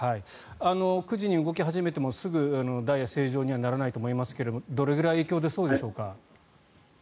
９時に動き始めてもすぐにダイヤ正常にならないと思いますがどれぐらい影響が出そうでしょうか。